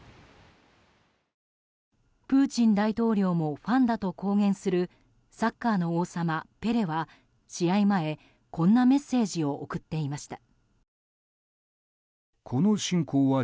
プーチン大統領もファンだと公言するサッカーの王様ペレは試合前こんなメッセージを送っていました。